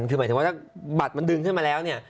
คือหมายถึงว่าถ้าบัตรมันดึงขึ้นมาแล้วเนี่ย